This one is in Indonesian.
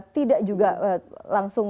tidak juga langsung